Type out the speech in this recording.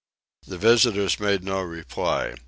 The visitors made no reply.